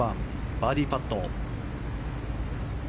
バーディーパット。